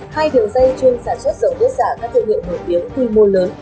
hai đường dây chuyên sản xuất dầu nước giả các thương hiệu nổi tiếng tuy môn lớn